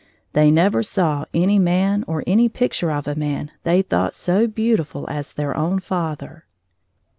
They never saw any man or any picture of a man they thought so beautiful as their own father.